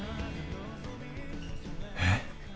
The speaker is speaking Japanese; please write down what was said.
えっ？